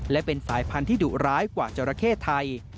และเป็นสายพันธุ์ดุร้ายกว่าจราเข้ไทย